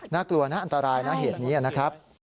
น่ากลัวนะอันตรายนะเหตุนี้นะครับ